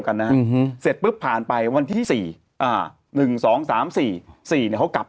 คุณที่ถาม